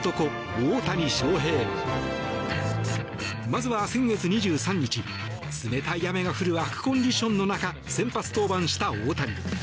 まずは、先月２３日冷たい雨が降る悪コンディションの中先発登板した大谷。